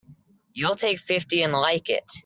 You'll take fifty and like it!